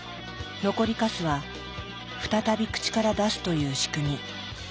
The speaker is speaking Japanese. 残りカスは再び口から出すという仕組み。